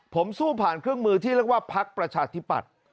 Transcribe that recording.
ผมสู้ผ่านเครื่องมือที่เรียกว่าพักประชาธิปัตย์